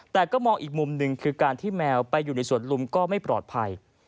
แต่ก็มองอีกมุมหนึ่งคือการที่แมวไปอยู่ในสวนลุมก็ไม่ปลอดภัย